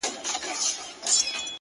• نه وزیر نه سلاکار یمه زما وروره,